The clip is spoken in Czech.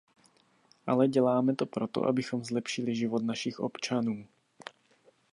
Ale děláme to proto, abychom zlepšili život našich občanů.